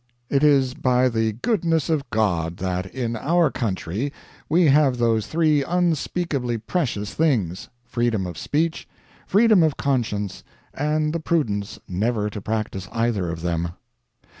It is by the goodness of God that in our country we have those three unspeakably precious things: freedom of speech, freedom of conscience, and the prudence never to practice either of them.